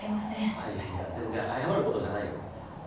ああいやいや全然謝ることじゃないよ。